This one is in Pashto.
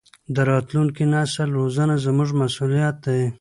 د راتلونکي نسل روزنه زموږ مسؤلیت دی.